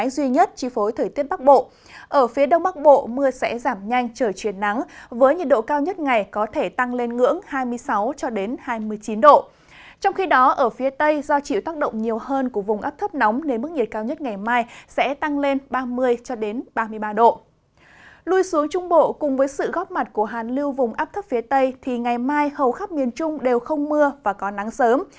lui xuống trung bộ cùng với sự góp mặt của hàn liêu vùng áp thấp phía tây thì ngày mai hầu khắp miền trung đều không mưa và có nắng sớm